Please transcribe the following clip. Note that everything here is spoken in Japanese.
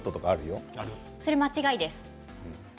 それ間違いです。